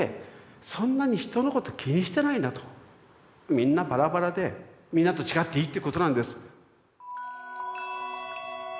みんなバラバラでみんなと違っていいってことなんです。